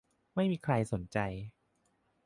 ไม่มีใครสนใจ